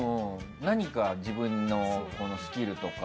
何か自分のスキルとか？